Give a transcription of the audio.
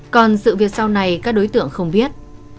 còn sự việc sau này các đối tượng không viết